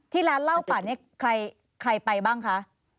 ที่ร้านเล่าปัดนี้ใครไปบ้างคะ